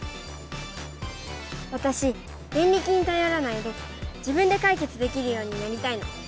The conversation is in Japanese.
わたしデンリキにたよらないで自分でかいけつできるようになりたいの。